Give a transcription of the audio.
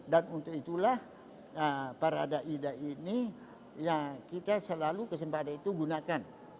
dan untuk itulah para da'idah ini ya kita selalu kesempatan itu gunakan